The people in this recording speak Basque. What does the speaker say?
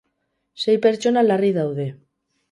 Sei pertsona larri daude.